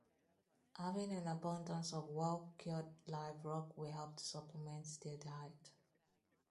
Having an abundance of well cured live rock will help to supplement their diet.